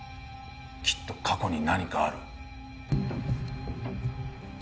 きっと過去に何かある。